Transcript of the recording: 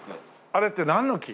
あれってなんの木？